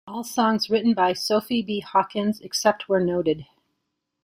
All songs written by Sophie B. Hawkins, except where noted.